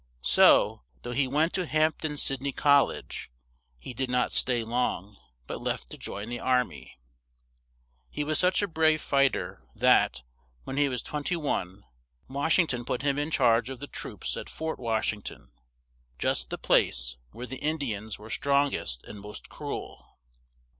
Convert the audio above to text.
So, though he went to Hamp den Syd ney Col lege, he did not stay long, but left to join the ar my. He was such a brave fight er that, when he was twen ty one, Wash ing ton put him in charge of the troops at Fort Wash ing ton, just the place where the In di ans were strong est and most cru el.